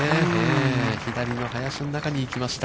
左の林の中に行きました。